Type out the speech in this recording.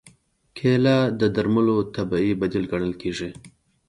کېله د درملو طبیعي بدیل ګڼل کېږي.